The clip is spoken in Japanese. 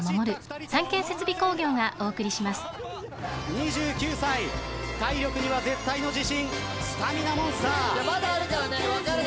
２９歳体力には絶対の自信スタミナモンスター。